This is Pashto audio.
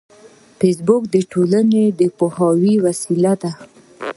فېسبوک د ټولنې د پوهاوي وسیله ده